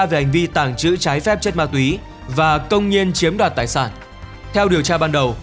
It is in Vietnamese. về hành vi tàng trữ trái phép chất ma túy và công nhiên chiếm đoạt tài sản theo điều tra ban đầu